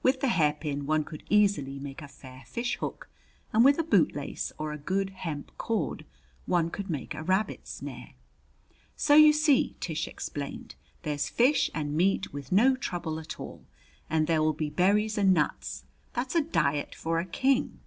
With the hairpin one could easily make a fair fish hook and with a bootlace or a good hemp cord one could make a rabbit snare. "So you see," Tish explained, "there's fish and meat with no trouble at all. And there will be berries and nuts. That's a diet for a king."